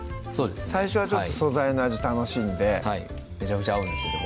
最初は素材の味楽しんではいめちゃくちゃ合うんですよね